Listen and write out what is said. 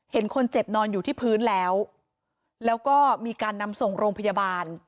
เห็นคนเจ็บนอนอยู่ที่พื้นแล้วแล้วก็มีการนำส่งโรงพยาบาล